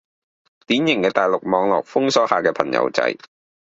典型嘅大陸網絡封鎖下嘅朋友仔